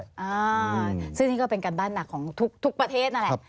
อ่าซึ่งนี่ก็เป็นการบ้านหนักของทุกประเทศนั่นแหละ